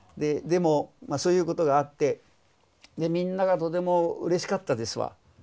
でもそういうことがあってみんながとてもうれしかったですわ。